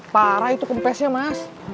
parah itu kempesnya mas